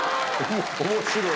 面白い。